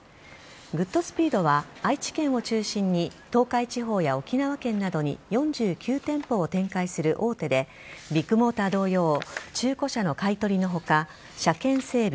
グッドスピードは愛知県を中心に東海地方や沖縄県などに４９店舗を展開する大手でビッグモーター同様中古車の買取の他車検整備